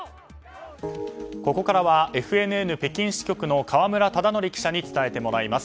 ここからはＦＮＮ北京支局の河村忠徳記者に伝えてもらいます。